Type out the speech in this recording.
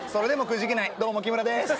どうも木村です！